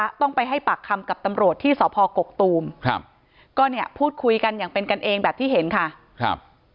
ก็ต้องไปให้ปากคำกับตำรวจที่สพกกกตูมก็พูดคุยกันอย่างเป็นกันเองแบบที่เห็นค่ะ